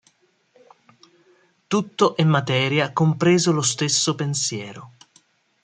Tutto è materia compreso lo stesso pensiero.